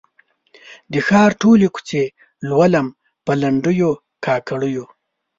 د ښار ټولي کوڅې لولم په لنډېو، کاکړیو